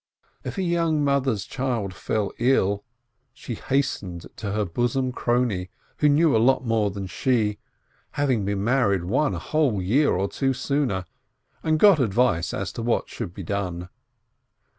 If a young mother's child fell ill, she hastened to her bosom crony, who knew a lot more than she, having been married one whole year or two sooner, and got advice as to what should be done.